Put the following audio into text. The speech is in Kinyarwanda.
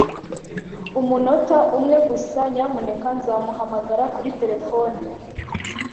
Umunota umwe gusa, nyamuneka. Nzamuhamagara kuri terefone.